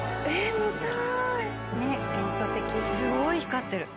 すごい光ってる。